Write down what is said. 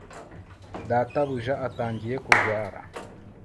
databuja atangiye kurwara